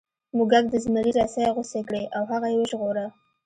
موږک د زمري رسۍ غوڅې کړې او هغه یې وژغوره.